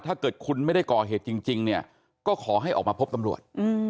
ถ้าเกิดคุณไม่ได้ก่อเหตุจริงเนี่ยก็ขอให้ออกมาพบตำรวจ